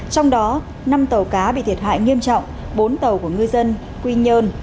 trong đó năm tàu cá bị thiệt hại nghiêm trọng bốn tàu của ngư dân quy nhơn